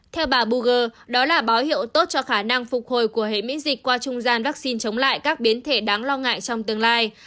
theo bà boogle đó là báo hiệu tốt cho khả năng phục hồi của hệ miễn dịch qua trung gian vaccine chống lại các biến thể đáng lo ngại trong tương lai